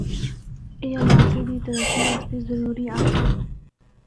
اے علاقے دی ترقی آسطے ضروری آسا۔